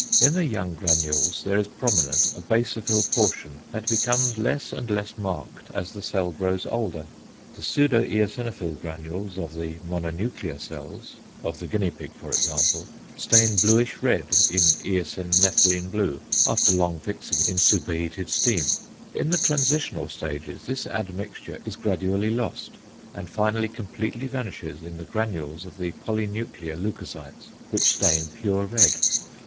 In the young granules there is prominent a basophil portion that becomes less and less marked as the cell grows older. The pseudo eosinophil granules of the mononuclear cells, of the guinea pig for example, stain bluish red in eosine methylene blue after long fixing in superheated steam: in the transitional stages this admixture is gradually lost, and finally completely vanishes in the granules of the polynuclear leucocytes which stain pure red.